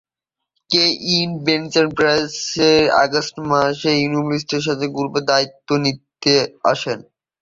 Kenneth Bainbridge August মাসে instrumentation গ্রুপের দায়িত্ব নিতে আসেন।